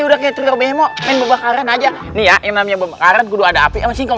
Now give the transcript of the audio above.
udah kayak terima main main aja nih ya yang namanya pembakaran kudu ada api